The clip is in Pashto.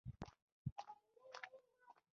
حافظ الپورۍ هم پۀ خپل کالم کې دوي خپل روحاني پير